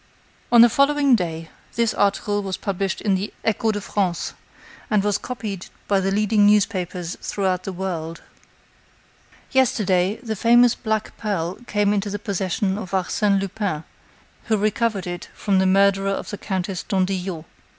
On the following day, this article was published in the Echo de France, and was copied by the leading newspapers throughout the world: "Yesterday, the famous black pearl came into the possession of Arsène Lupin, who recovered it from the murderer of the Countess d'Andillot.